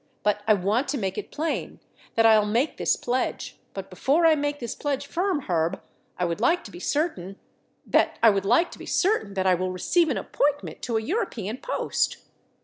But I want to make it plain that I'll make this pledge, but before I make this pledge firm, Herb, I would like to be cer tain, that I would like to be certain that I will receive an appointment to a European post.